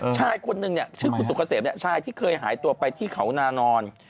ชายคนนึงเนี่ยชื่อคุณสุกเกษมชายที่เคยหายตัวไปที่เขานานอน